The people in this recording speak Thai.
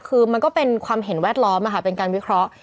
คือมันก็เป็นความเห็นแวดล้อมเป็นการวิเคราะห์